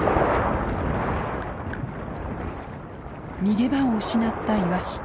逃げ場を失ったイワシ。